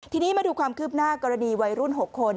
ทีนี้มาดูความคืบหน้ากรณีวัยรุ่น๖คน